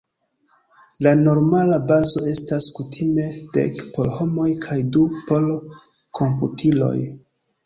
La normala bazo estas kutime dek por homoj kaj du por komputiloj.